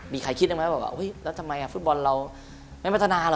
มีใครคิดได้ไหมว่าแล้วทำไมฟุตบอลเราไม่พัฒนาเหรอ